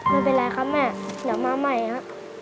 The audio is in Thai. ไม่เป็นไรครับแม่เดี๋ยวมาใหม่ครับ